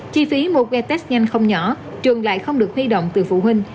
chi phí một gai test nhanh không nhỏ trường lại không được huy động từ phụ huynh